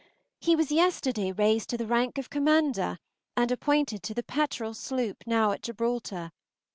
He was yesterday raised to the rank of Commander, and appointed to the "Petterel" sloop, now at Gibraltar.